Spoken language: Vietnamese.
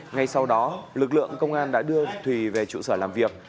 ngay sau đó lực lượng công an đã đưa thùy về trụ sở làm việc